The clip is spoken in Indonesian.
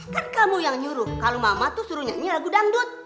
kan kamu yang nyuruh kalau mama tuh suruhnya ini lagu dangdut